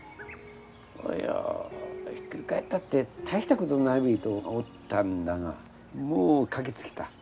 いやひっくり返ったって大したことないべと思ったんだがもう駆けつけた。